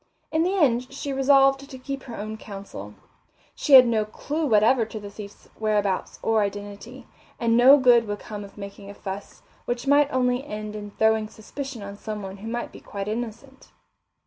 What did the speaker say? In the end she resolved to keep her own counsel. She had no clue whatever to the thief's whereabouts or identity, and no good would come of making a fuss, which might only end in throwing suspicion on someone who might be quite innocent.